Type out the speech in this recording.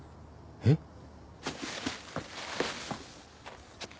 えっ？